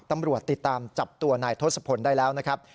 ตำรวจติดตามจับตัวนายทศพลได้แล้วนะครับ